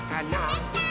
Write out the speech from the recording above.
できたー！